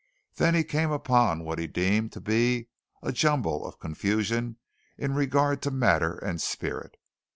Then he came upon what he deemed to be a jumble of confusion in regard to matter and spirit.